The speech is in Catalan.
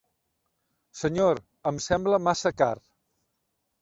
Senyor, em sembla massa car.